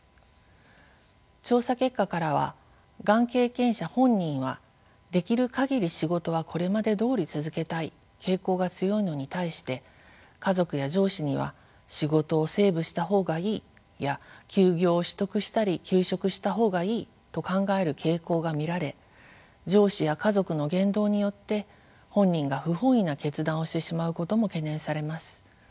調査結果からはがん経験者本人はできる限り仕事はこれまでどおり続けたい」傾向が強いのに対して家族や上司には「仕事をセーブした方がいい」や「休業を取得したり休職した方がいい」と考える傾向が見られ上司や家族の言動によって本人が不本意な決断をしてしまうことも懸念されます。